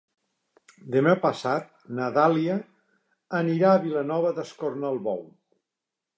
Demà passat na Dàlia anirà a Vilanova d'Escornalbou.